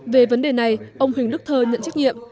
về vấn đề này ông huỳnh đức thơ nhận trách nhiệm